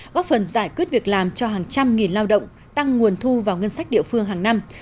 góp phần giải quyết việc làm cho hàng trăm nghìn lao động tăng nguồn thu vào ngân sách địa phương hàng năm